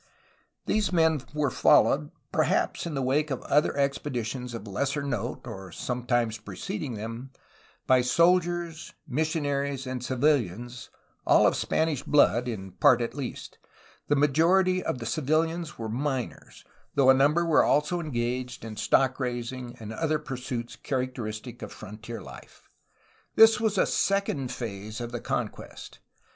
These men were followed, perhaps in the wake of other expeditions of lesser note (or sometimes preceding them), by soldiers, missionaries, and civilians, all of Spanish blood, in part at least. The majority of the civiHans were OVERLAND ADVANCE TO THE CALIFORNIA BORDER 149 miners, though a number were also engaged in stock raising and other pursuits characteristic of frontier life. This was a second phase of the conquest.